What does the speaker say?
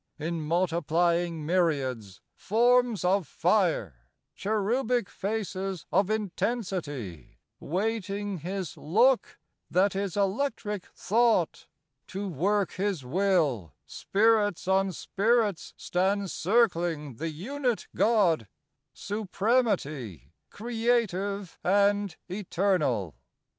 In multiplying myriads, forms of fire, Cherubic faces of intensity, Waiting His look, that is electric thought, To work His will, spirits on spirits stand Circling the Unit, God: Supremity Creative and eternal.